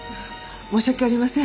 申し訳ありません。